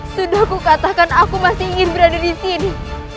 sudah kukatakan aku masih ingin berada di sini